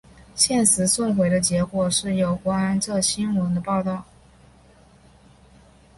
现时送回的结果是有关这新闻的报道。